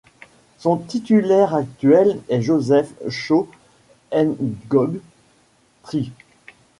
Son titulaire actuel est Joseph Chau Ngoc Tri.